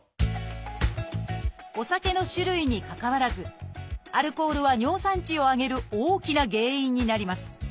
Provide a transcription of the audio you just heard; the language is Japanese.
お酒の種類にかかわらずアルコールは尿酸値を上げる大きな原因になります。